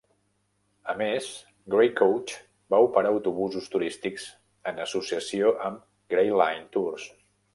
A més, Gray Coach va operar autobusos turístics en associació amb Gray Line Tours.